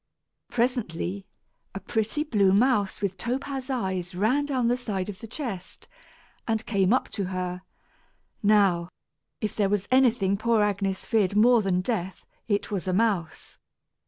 Presently, a pretty blue mouse with topaz eyes ran down the side of the chest, and came up to her. Now, if there was anything poor Agnes feared more than death, it was a mouse.